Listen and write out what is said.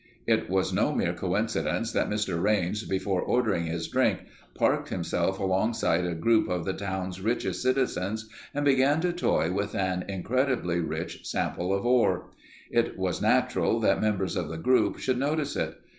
It was no mere coincidence that Mr. Raines before ordering his drink, parked himself alongside a group of the town's richest citizens and began to toy with an incredibly rich sample of ore. It was natural that members of the group should notice it.